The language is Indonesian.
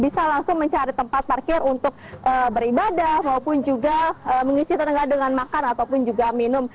bisa langsung mencari tempat parkir untuk beribadah maupun juga mengisi tenaga dengan makan ataupun juga minum